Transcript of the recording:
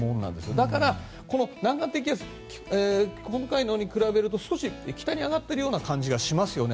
だから、南岸低気圧今回のに比べると少し北に上がっている感じがしますよね。